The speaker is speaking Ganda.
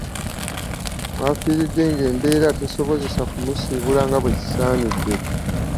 W'afiiridde ng'embeera tesobozesa kumusiibula nga bwe kisaanidde.